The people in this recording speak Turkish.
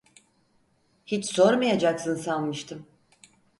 Hiç sormayacaksın sanmıştım.